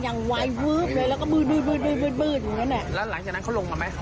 อย่างวายเวิบเลยแล้วก็บืดบืดบืดบืดบืดอยู่นั่นแล้วหลังจากนั้นเขาลงมาไหม